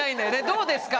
「どうですか？」